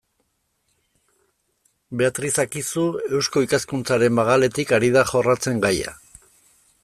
Beatriz Akizu Eusko Ikaskuntzaren magaletik ari da jorratzen gaia.